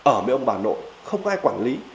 ở với ông bà nội không có ai quản lý